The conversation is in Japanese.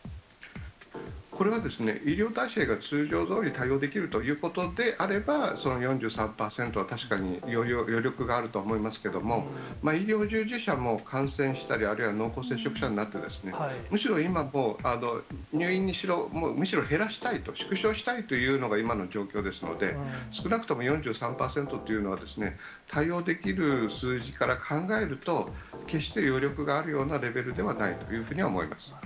これは医療体制が通常どおり対応できるということであれば、その４３％は確かに余力があると思いますけれども、医療従事者も感染したり、あるいは濃厚接触者になって、むしろ今、もう入院にしろ、むしろ減らしたいと、縮小したいというのが、今の状況ですので、少なくとも４３％というのは、対応できる数字から考えると、決して余力があるようなレベルではないというふうに思います。